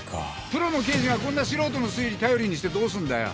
プロの刑事がこんな素人の推理頼りにしてどうするんだよ。